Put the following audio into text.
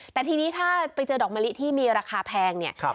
แต่ทีนี้ถ้าไปเจอดอกมะลิที่มีราคาแพงเนี่ย